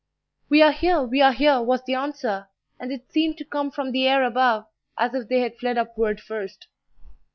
"We are here! we are here!" was the answer, and it seemed to come from the air above, as if they had fled upward first.